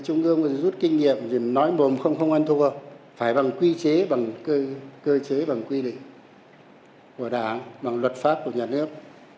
trung ương rút kinh nghiệm nói mồm không ăn thua phải bằng quy chế bằng quy định của đảng bằng luật pháp của nhà nước